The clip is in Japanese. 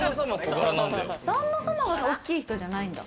旦那様は大きい人じゃないんだ。